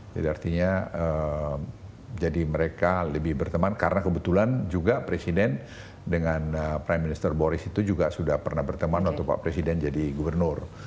jadi artinya jadi mereka lebih berteman karena kebetulan juga presiden dengan prime minister boris itu juga sudah pernah berteman waktu pak presiden jadi gubernur